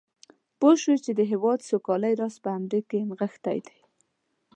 پوه شو چې د هېواد سوکالۍ راز په همدې کې نغښتی دی.